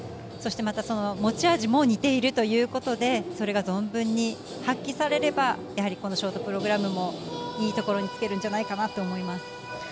そしてその持ち味も似ているということでそれが存分に発揮されればこのショートプログラムもいいところにつけるんじゃないかなと思います。